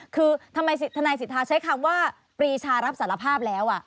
คือทำไมทนายสิทธาใช้คำว่าปรีชารับสารภาพแล้ว